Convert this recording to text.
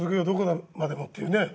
どこまでも」っていうね